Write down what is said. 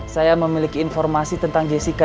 saya memiliki informasi tentang jessica